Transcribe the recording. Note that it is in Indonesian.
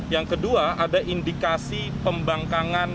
yang kedua ada indikasi pembangkangan